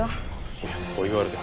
いやそう言われても。